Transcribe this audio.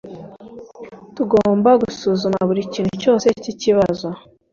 Tugomba gusuzuma buri kintu cyose cyikibazo.